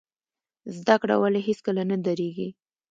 زده کړه ولې هیڅکله نه دریږي؟